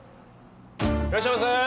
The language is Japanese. いらっしゃいませ。